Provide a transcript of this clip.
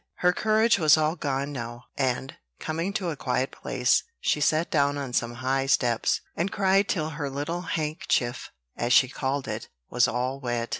Her courage was all gone now; and, coming to a quiet place, she sat down on some high steps, and cried till her little "hankchif," as she called it, was all wet.